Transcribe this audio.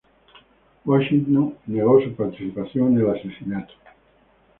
Washington negó su participación en el asesinato.